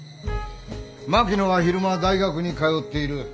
槙野は昼間大学に通っている。